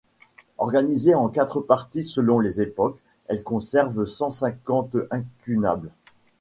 Organisée en quatre parties selon les époques, elle conserve cent cinquante incunables.